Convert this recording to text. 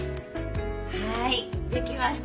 はい出来ました。